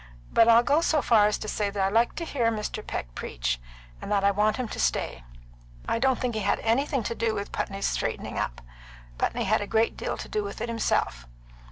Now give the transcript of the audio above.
But I'll go so far as to say that I like to hear Mr. Peck preach, and that I want him to stay. I don't say he had nothing to do with Putney's straightening up. Putney had a great deal to do with it himself.